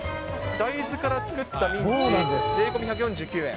大豆から作ったミンチ、税込み１４９円。